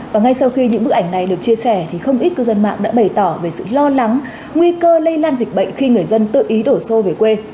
và ngay sau khi những bức ảnh này được chia sẻ thì không ít cư dân mạng đã bày tỏ về sự lo lắng nguy cơ lây lan dịch bệnh khi người dân tự ý đổ xô về quê